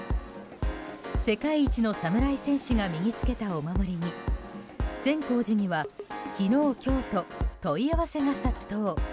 世界一の侍戦士が身に着けたお守りに善光寺には昨日今日と問い合わせが殺到。